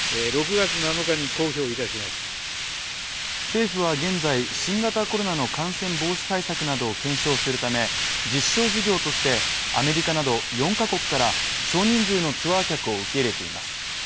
政府は現在、新型コロナの感染防止対策などを検証するため実証事業として、アメリカなど４カ国から少人数のツアー客を受け入れています。